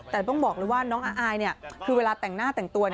แต่ต้องบอกเลยว่าน้องอายคือเวลาแต่งหน้าแต่งตัว